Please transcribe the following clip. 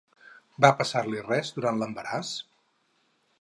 Va passar-li res, durant l'embaràs?